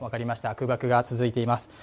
空爆が続いています。